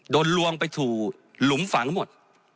ลวงไปถูกหลุมฝังหมด